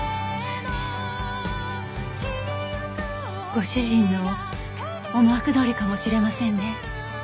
ご主人の思惑どおりかもしれませんね。